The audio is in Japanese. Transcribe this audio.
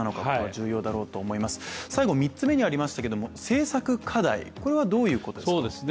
３つ目にありましたけれども、政策課題はどういうことですか？